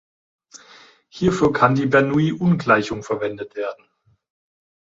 Hierfür kann die Bernoulli-Ungleichung verwendet werden.